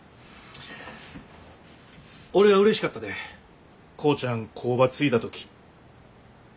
俺はうれしかったで浩ちゃん工場継いだ時。